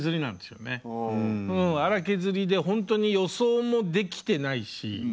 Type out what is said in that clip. うん粗削りでほんとに予想もできてないし。